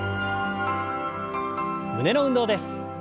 胸の運動です。